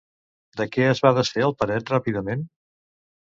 De què es va desfer el Peret ràpidament?